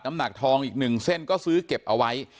หนักทองอีก๑เส้นก็ซื้อเก็บเอาไว้